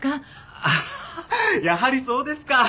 あっやはりそうですか。